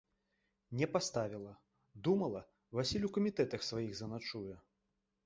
Не паставіла, думала, Васіль у камітэтах сваіх заначуе.